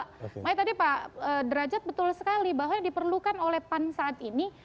makanya tadi pak derajat betul sekali bahwa yang diperlukan oleh pan saat ini